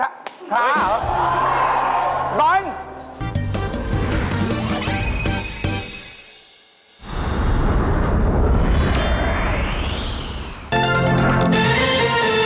โปรดติดตามตอนต่อไป